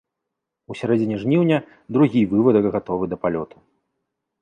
У сярэдзіне жніўня другі вывадак гатовы да палёту.